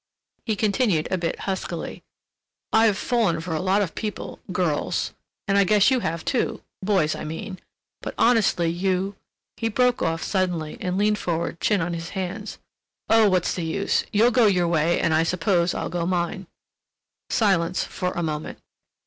He continued a bit huskily: "I've fallen for a lot of people—girls—and I guess you have, too—boys, I mean, but, honestly, you—" he broke off suddenly and leaned forward, chin on his hands: "Oh, what's the use—you'll go your way and I suppose I'll go mine." Silence for a moment.